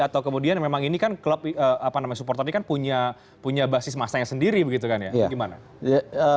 atau kemudian memang ini kan klub supporter ini kan punya basis masanya sendiri gimana